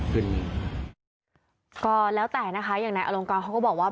ก็แล้วแต่นะคะอย่างนายอลงกรเขาก็บอกว่า